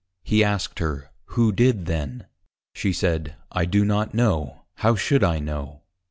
He asked her, who did then? She said, _I do not know; How should I know?